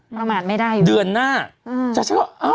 ประมาณไม่ได้เหรอเดือนหน้า